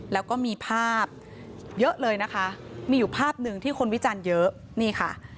แล้วก็มีภาพเยอะเลยนะคะมีอยู่ภาพหนึ่งที่คนวิจารณ์เยอะนี่ค่ะ